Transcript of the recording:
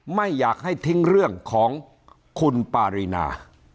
ไม่อยากให้ทิ้งเรื่องของคุณปารีนา